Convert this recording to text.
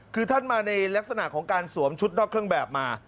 คือท่านมาในลักษณะของการสวมชุดนอกเครื่องแบบมา